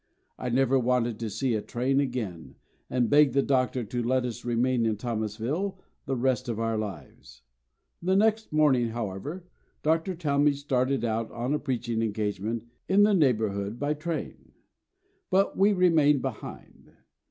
I never wanted to see a train again, and begged the Doctor to let us remain in Thomasville the rest of our lives. The next morning, however, Dr. Talmage started out on a preaching engagement in the neighbourhood by train, but we remained behind.